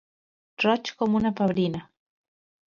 Roig com una pebrina.